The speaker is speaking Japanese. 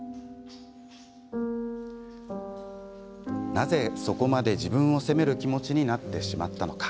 なぜそこまで自分を責める気持ちになってしまったのか。